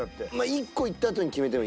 １個いったあとに決めてもいい。